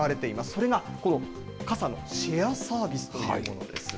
それがこの傘のシェアサービスというものです。